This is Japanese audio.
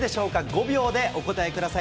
５秒でお答えください。